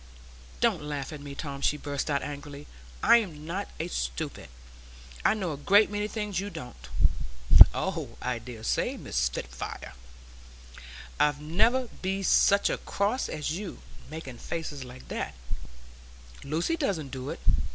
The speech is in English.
"Don't laugh at me, Tom!" she burst out angrily; "I'm not a stupid. I know a great many things you don't." "Oh, I dare say, Miss Spitfire! I'd never be such a cross thing as you, making faces like that. Lucy doesn't do so.